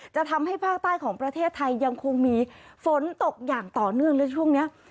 จะทำให้ภาคใต้ของประเทศไทยยังคงมีฝนตกอย่างต่อเนื่องเลยช่วงนี้